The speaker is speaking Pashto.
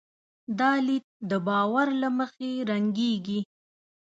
دا لید د باور له مخې رنګېږي.